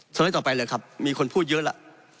ไลด์ต่อไปเลยครับมีคนพูดเยอะแล้ว